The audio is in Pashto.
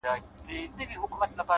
ستا د خــولې خـبري يــې زده كړيدي-